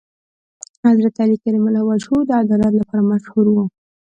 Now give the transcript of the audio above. حضرت علی کرم الله وجهه د عدالت لپاره مشهور و.